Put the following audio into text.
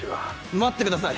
待ってください！